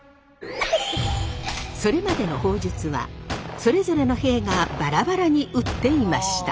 それまでの砲術はそれぞれの兵がバラバラに撃っていました。